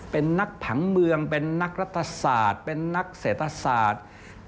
เป็นนักผังเมืองเป็นนักรัฐศาสตร์เป็นนักเศรษฐศาสตร์